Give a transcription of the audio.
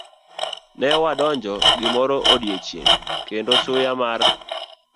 Ne wadonjo gimoro odiechieng' kendo suya mar